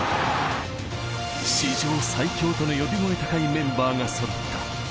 史上最強との呼び声高いメンバーがそろった。